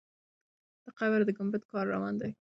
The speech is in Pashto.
د قبر د ګمبد کار روان دی.